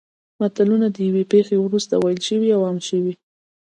متلونه د یوې پېښې وروسته ویل شوي او عام شوي